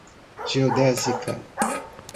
geodésica